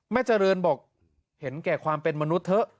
เจริญบอกเห็นแก่ความเป็นมนุษย์เถอะ